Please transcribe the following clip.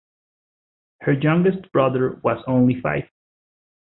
Her youngest brother was only five.